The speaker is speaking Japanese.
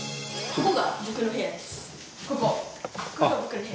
ここが僕の部屋です。